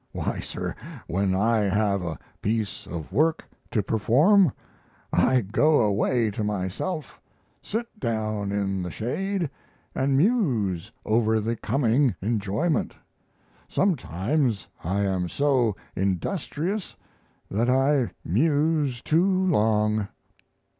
Why, sir, when I have a piece of work to perform, I go away to myself, sit down in the shade, and muse over the coming enjoyment. Sometimes I am so industrious that I muse too long.